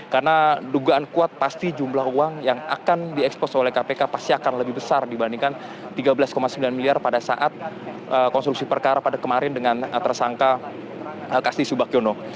karena dugaan kuat pasti jumlah uang yang akan diekspos oleh kpk pasti akan lebih besar dibandingkan tiga belas sembilan miliar pada saat konstruksi perkara pada kemarin dengan atas angka kasti subakyono